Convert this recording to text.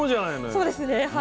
そうですねはい。